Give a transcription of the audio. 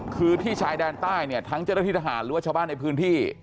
คือที่ชายแดนใต้เนี่ยทั้งเจ้าหน้าที่ทหารหรือว่าชาวบ้านในพื้นที่